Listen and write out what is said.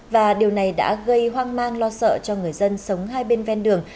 và điều này đã gây hoang mang lo sợ cho người dân sống hai bên ven đường